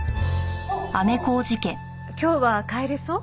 今日は帰れそう？